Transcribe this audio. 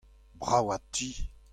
Bravat ti !